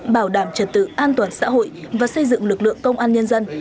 bảo đảm trật tự an toàn xã hội và xây dựng lực lượng công an nhân dân